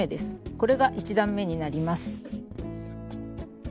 これが１段めになります。